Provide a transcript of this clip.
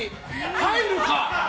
入るか？